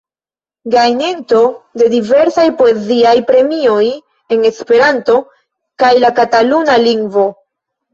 Gajninto de diversaj poeziaj premioj en Esperanto kaj la kataluna lingvo.